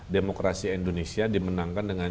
demokrasi indonesia dimenangkan dengan